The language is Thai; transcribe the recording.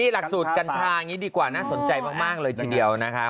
หลักสูตรกัญชาอย่างนี้ดีกว่าน่าสนใจมากเลยทีเดียวนะคะ